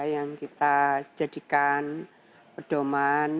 yang kita jadikan pedoman